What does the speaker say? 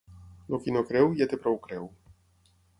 El qui no creu, ja té prou creu.